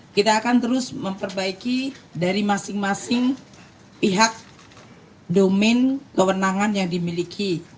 kita akan terus memperbaiki dari masing masing pihak domain kewenangan yang dimiliki